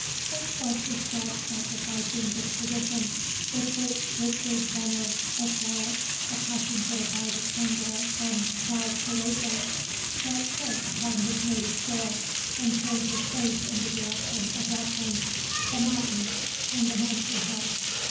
Such was the self sacrificing disposition with which Richard Venner, Esq., a passenger by the Condor from Valparaiso, set foot upon his native shore, and turned his face in the direction of Rockland, The Mountain, and the mansion house.